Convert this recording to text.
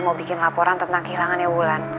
mau bikin laporan tentang kehilangannya wulan